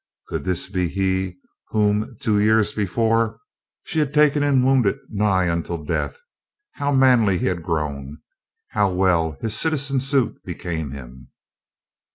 Could this be he whom, two years before, she had taken in wounded nigh unto death? How manly he had grown! How well his citizen suit became him!